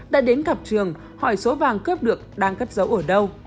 đã đến gặp trường hỏi số vàng cướp được đang cất giấu ở đâu